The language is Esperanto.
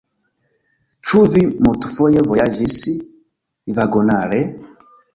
Ĉu vi multfoje vojaĝis vagonare?